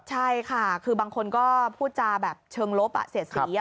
ใช่ค่ะคือบางคนก็พูดจาแบบเชิงลบเสียดสี